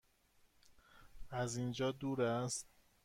از اینجا دور است؟